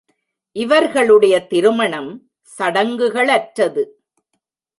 இவர்களுடைய திருமணம் சடங்குகளற்றது.